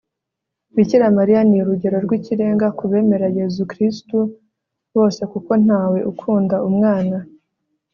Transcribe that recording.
bikira mariya ni urugero rw'ikirenga ku bemera yezu kristu bose kuko ntawe ukunda umwana